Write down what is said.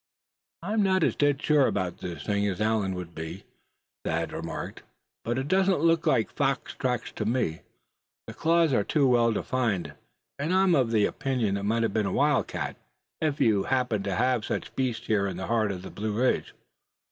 "I'm not as dead sure about this thing as Allan would be," Thad remarked; "but it doesn't look like fox tracks to me. The claws are too well defined; and I'm of the opinion that it might have been a wildcat, if you happen to have such beasts here in the heart of the Blue Ridge."